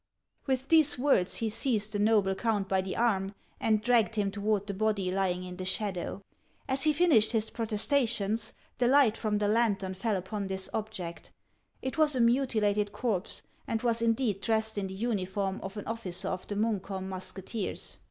With these words, he seized the noble count by the arm and dragged him toward the body lying in the shadow. As he finished his protestations, the light from the lantern fell upon this object. It was a mutilated corpse, and was indeed dressed in the uniform of an officer of the Munk holm Musketeers.